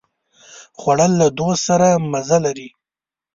خوړل له دوست سره مزه لري